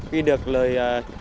khi được lời